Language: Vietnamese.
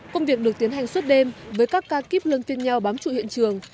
công việc được tiến hành suốt đêm với các ca kíp lân phiên nhau bám trụ hiện trường